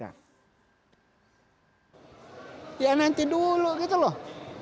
ya nanti dulu gitu loh